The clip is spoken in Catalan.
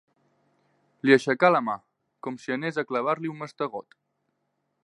Li aixecà la mà, com si anés a clavar-li un mastegot.